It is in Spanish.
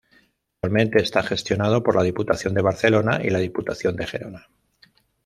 Actualmente está gestionado por la Diputación de Barcelona y la Diputación de Gerona.